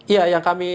ya yang kami